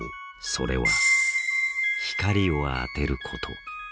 それは、光を当てること。